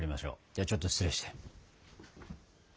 ではちょっと失礼して。